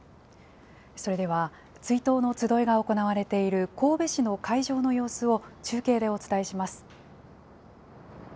それでは、追悼の集いが行われている神戸市の会場の様子を、中継でお伝えします。